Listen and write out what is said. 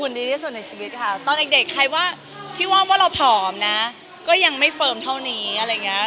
ดีที่สุดในชีวิตค่ะตอนเด็กใครว่าที่ว่าว่าเราผอมนะก็ยังไม่เฟิร์มเท่านี้อะไรอย่างเงี้ย